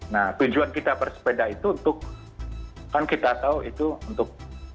nah tujuan kita bersepeda itu untuk kan kita tahu itu untuk